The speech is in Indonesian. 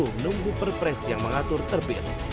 menunggu perpres yang mengatur terbit